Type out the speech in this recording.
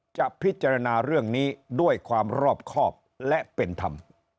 จะพิจารณาเรื่องนี้ด้วยความรอบครอบและเป็นธรรม